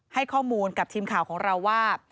ให้ข้อมูลกับทีมข่าวของเราว่า